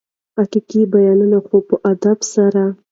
حقایق بیانوي خو په ادب سره.